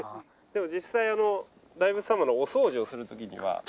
でも実際大仏様のお掃除をする時には。